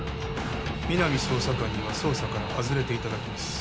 皆実捜査官には捜査から外れていただきます